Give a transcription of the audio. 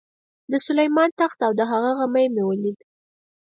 د سلیمان تخت او د هغه غمی مې ولید.